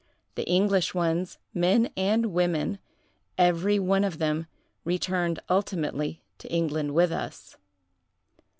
The English ones, men and women, every one of them, returned ultimately to England with us.